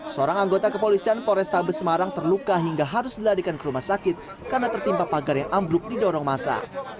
seorang anggota kepolisian polrestabes semarang terluka hingga harus dilarikan ke rumah sakit karena tertimpa pagar yang ambruk didorong masa